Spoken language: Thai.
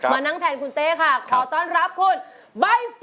มานั่งแทนคุณเต้ค่ะขอต้อนรับคุณใบเฟิร์